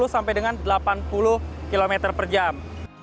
tujuh puluh sampai dengan delapan puluh km per jam